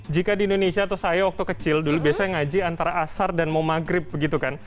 jika di indonesia atau saya waktu kecil dulu biasanya ngaji antara asar dan mau maghrib begitu kan